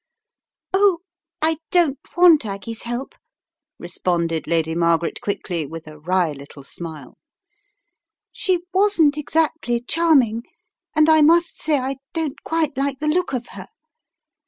"Oh, I don't want Aggie's help," responded Lady Margaret quickly with a wry little smile. "She wasn't exactly charming, and I must say I don't quite like the look of her.